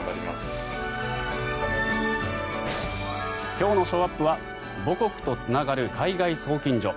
今日のショーアップは母国とつながる海外送金所。